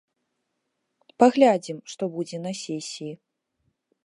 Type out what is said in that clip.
Паглядзім, што будзе на сесіі.